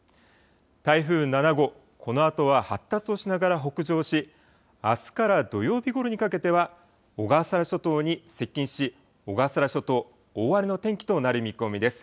台風７号、このあとは発達をしながら北上し、あすから土曜日ごろにかけては、小笠原諸島に接近し、小笠原諸島大荒れの天気となる見込みです。